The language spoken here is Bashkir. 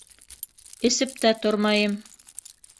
Эсеп тә тормайым...